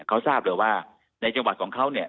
เขาทราบเลยว่าในจังหวัดของเขาเนี่ย